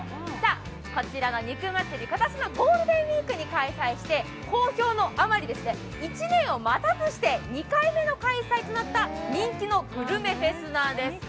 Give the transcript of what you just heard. こちらの肉祭、今年のゴールデンウィークに開催して好評のあまり１年を待たずして２回目の開催となった人気のグルメフェスなんです。